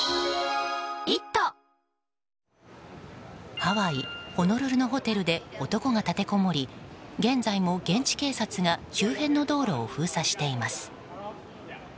ハワイ・ホノルルのホテルで男が立てこもり現在も現地警察が周辺の道路を封鎖しています。